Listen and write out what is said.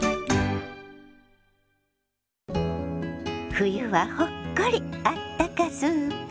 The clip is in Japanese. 「冬はほっこりあったかスープ」。